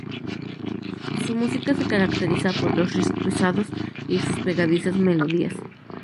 Su música se caracteriza por los riffs pesados y sus pegadizas melodías.